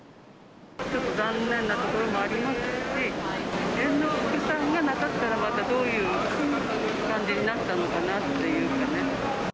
残念なところもありますし、猿之助さんがなさったら、またどういう感じになったのかなっていうかね。